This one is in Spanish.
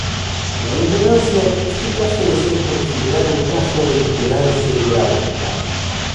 La impedancia acústica suele ser considerada un caso de impedancia hidráulica.